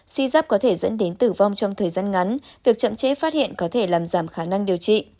suy giáp có thể dẫn đến tử vong trong thời gian ngắn việc chậm chế phát hiện có thể làm giảm khả năng điều trị